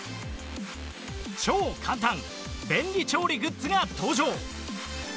超簡単便利調理グッズが登場